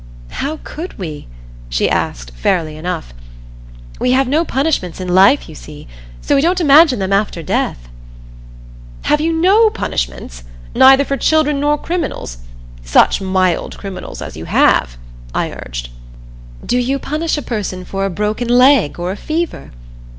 "How could we?" she asked, fairly enough. "We have no punishments in life, you see, so we don't imagine them after death." "Have you no punishments? Neither for children nor criminals such mild criminals as you have?" I urged. "Do you punish a person for a broken leg or a fever?